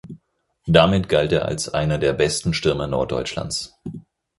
Damit galt er als einer der besten Stürmer Norddeutschlands.